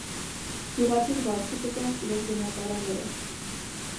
Գիւղացիք վարձու կու տան իրենձ բնակարանները։